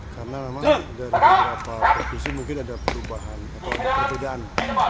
karena memang dari beberapa provinsi mungkin ada perubahan atau perbedaan